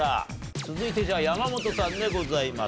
続いて山本さんでございます。